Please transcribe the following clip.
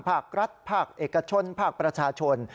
ภาครัฐภาคเอกชนภาคประชาชน